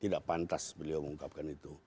tidak pantas beliau mengungkapkan itu